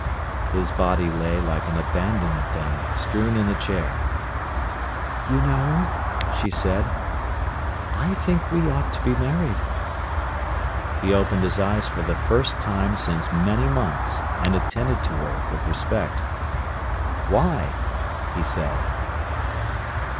His body lay like an abandoned thing, strewn in the chair. "You know," she said, "I think we ought to be married." He opened his eyes for the first time since many months, and attended to her with respect. "Why?" he said.